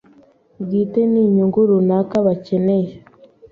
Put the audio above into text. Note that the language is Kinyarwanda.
bwite n’inyungu runaka bakeneye